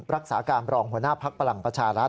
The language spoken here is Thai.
รักษาการรองหัวหน้าภักดิ์พลังประชารัฐ